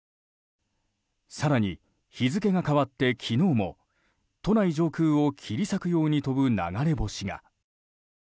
更に、日付が変わって昨日も都内上空を切り裂くように飛ぶ流れ星が。